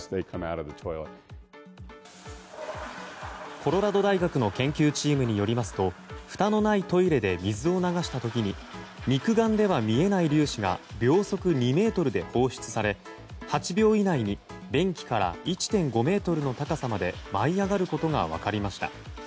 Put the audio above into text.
コロラド大学の研究チームによりますとふたのないトイレで水を流した時に肉眼では見えない粒子が秒速２メートルで放出され８秒以内に便器から１．５ｍの高さまで舞い上がることが分かりました。